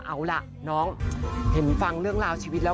เอาล่ะน้องเห็นฟังเรื่องราวชีวิตแล้ว